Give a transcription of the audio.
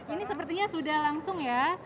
ini sepertinya sudah langsung ya